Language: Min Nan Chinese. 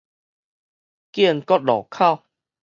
建國路口